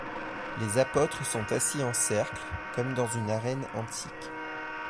Les apôtres sont assis en cercle, comme dans une arène antique.